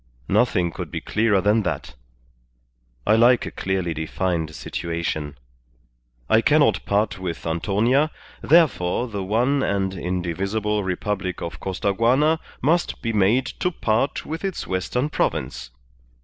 Nothing could be clearer than that. I like a clearly defined situation. I cannot part with Antonia, therefore the one and indivisible Republic of Costaguana must be made to part with its western province.